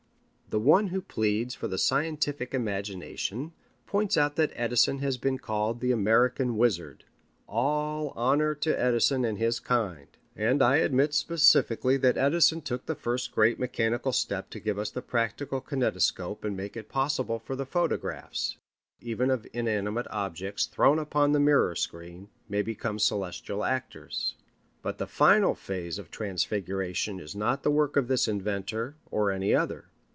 The one who pleads for the scientific imagination points out that Edison has been called the American Wizard. All honor to Edison and his kind. And I admit specifically that Edison took the first great mechanical step to give us the practical kinetoscope and make it possible that the photographs, even of inanimate objects thrown upon the mirror screen, may become celestial actors. But the final phase of the transfiguration is not the work of this inventor or any other.